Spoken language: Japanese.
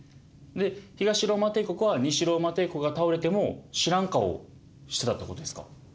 で東ローマ帝国は西ローマ帝国が倒れても知らん顔してたってことですか？